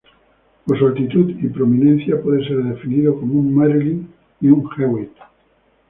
Por sus altitud y prominencia puede ser definido como un "Marilyn" y un "Hewitt".